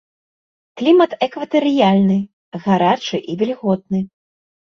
Клімат экватарыяльны, гарачы і вільготны.